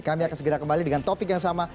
kami akan segera kembali dengan topik yang sama